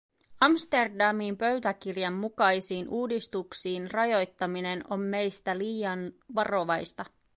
Amsterdamin pöytäkirjan mukaisiin uudistuksiin rajoittuminen on meistä liian varovaista.